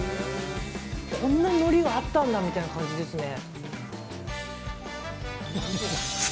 こんなのりがあったんだみたいな感じですね。